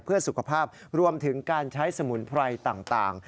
เพื่อสุขภาพรวมถึงการใช้สมุนไพรต่าง